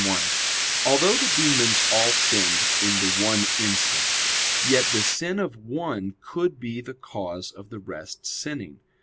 1: Although the demons all sinned in the one instant, yet the sin of one could be the cause of the rest sinning.